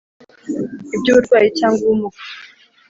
ibyuburwayi cyangwa ubumuga,